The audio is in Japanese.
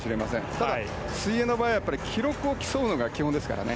ただ、水泳の場合は記録を競うのが基本ですからね。